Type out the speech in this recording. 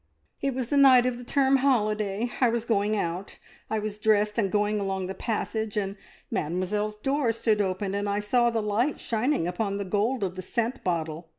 "It was the night of the term holiday I was going out I was dressed and going along the passage, and Mademoiselle's door stood open, and I saw the light shining upon the gold of the scent bottle.